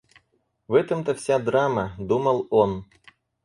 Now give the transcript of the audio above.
В этом-то вся драма, — думал он.